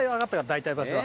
大体場所は。